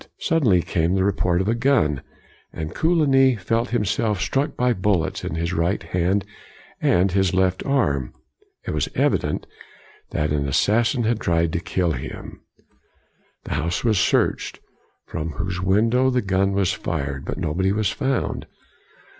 Suddenly came the report of a gun, and Coligny felt himself struck by bullets in his right hand and his left arm. It was evident that an assassin had tried to kill him. The house was searched, from whose window the gun was fired, but nobody was found.